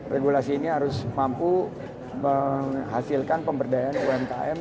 regulasi ini harus mampu menghasilkan pemberdayaan umkm